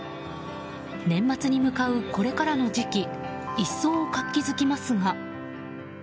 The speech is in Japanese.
年末に向かうこれからの時期一層、活気づきますが。